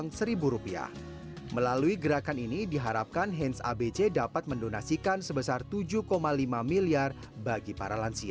terutama dalam masa ramadan ini dan kedepannya untuk dapat selalu terjaga